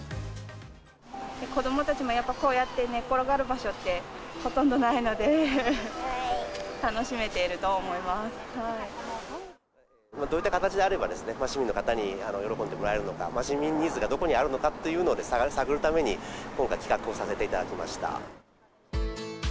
子どもたちもやっぱ、こうやって寝転がる場所って、ほとんどないので、楽しめていると思いまどういった形であれば、市民の方に喜んでもらえるのか、市民ニーズがどこにあるのかというのを探るために、今回、企画をさせていただきました。